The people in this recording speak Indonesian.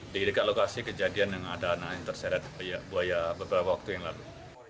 di dekat lokasi kejadian yang ada anak yang terseret buaya beberapa waktu yang lalu